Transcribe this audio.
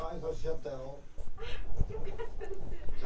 あっよかったです。